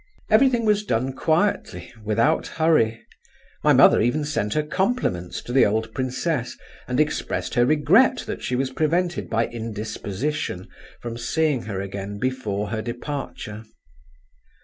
Everything was done quietly, without hurry; my mother even sent her compliments to the old princess, and expressed her regret that she was prevented by indisposition from seeing her again before her departure.